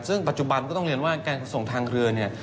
ซึ่งปัจจุบันก็ต้องเรียนว่าการขนส่งทางเรือเนี่ย